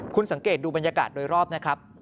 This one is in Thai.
คุณสังเกตดูบรรยากาศโดยรอบนะครับ